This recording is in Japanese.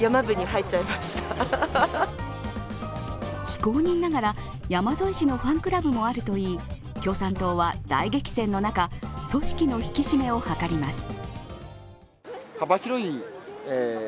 非公認ながら山添氏のファンクラブもあるといい共産党は大激戦の中、組織の引き締めを図ります。